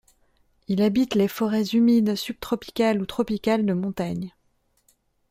Il habite les forêts humides subtropicales ou tropicales de montagne.